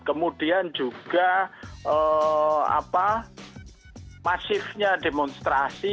kemudian juga masifnya demonstrasi